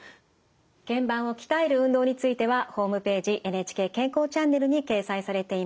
けん板を鍛える運動についてはホームページ「ＮＨＫ健康チャンネル」に掲載されています。